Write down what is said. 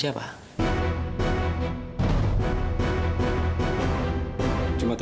bersikap baiklah sama satria